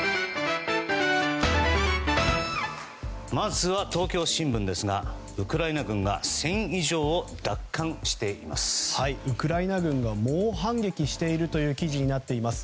まずは東京新聞ですがウクライナ軍が１０００以上ウクライナ軍が猛反撃しているという記事になっています。